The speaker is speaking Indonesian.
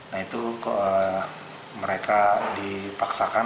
nah itu mereka dipaksakan